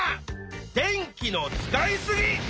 電気の使い過ぎ！